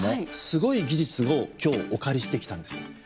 すごい技術を今日お借りしてきたんです。